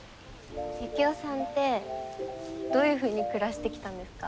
ユキオさんってどういうふうに暮らしてきたんですか？